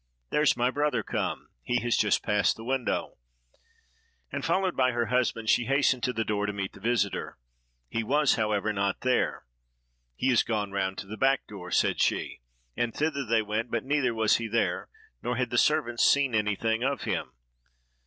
there's my brother come! he has just passed the window," and, followed by her husband, she hastened to the door to meet the visiter. He was however not there. "He is gone round to the back door," said she; and thither they went; but neither was he there, nor had the servants seen anything of him.